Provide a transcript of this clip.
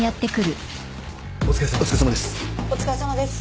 お疲れさまです。